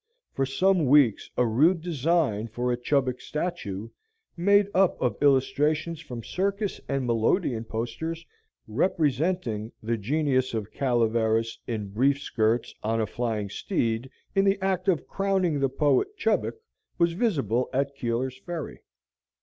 For some weeks a rude design for a Chubbuck statue, made up of illustrations from circus and melodeon posters, representing the genius of Calaveras in brief skirts on a flying steed in the act of crowning the poet Chubbuck, was visible at Keeler's Ferry.